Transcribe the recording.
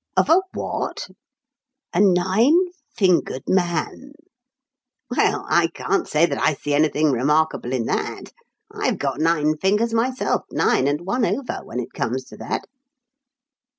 "Of a what?" "A nine fingered man." "Well, I can't say that I see anything remarkable in that. I've got nine fingers myself, nine and one over, when it comes to that."